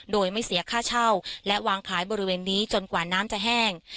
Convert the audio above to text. โดยไม่เสียค่าเช่าและวางขายบริเวณนี้จนกว่าน้ำจะแห้ง